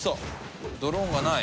ドローンがない。